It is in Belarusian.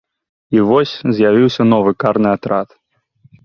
І вось з'явіўся новы карны атрад.